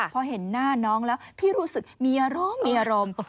พอเห็นหน้าน้องแล้วพี่รู้สึกมีอารมณ์มีอารมณ์